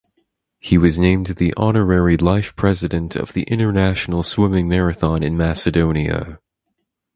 He was named the Honorary Life President of the International Swimming Marathon in Macedonia.